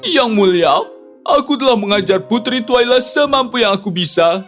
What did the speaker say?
yang mulia aku telah mengajar putri twaila semampu yang aku bisa